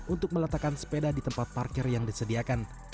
untuk meletakkan sepeda di tempat parkir yang disediakan